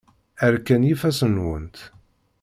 Rkan yifassen-nwent.